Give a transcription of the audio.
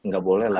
gak boleh lah